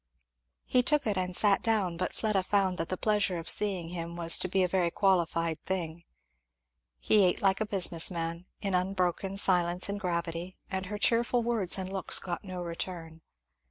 He took it and sat down, but Fleda found that the pleasure of seeing him was to be a very qualified thing. He ate like a business man, in unbroken silence and gravity; and her cheerful words and looks got no return.